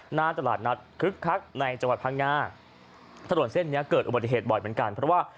หน้าตลาดนัดคึกคักในจังหวัดพังงาถนนเส้นนี้เกิดอุบัติเหตุบ่อยเหมือนกันเพราะว่า